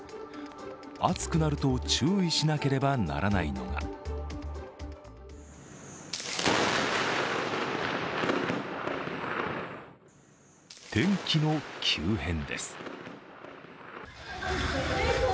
暑くなると注意しなければならないのが天気の急変です。